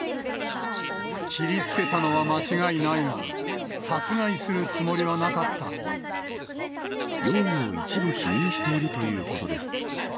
切りつけたのは間違いないが、容疑を一部否認しているということです。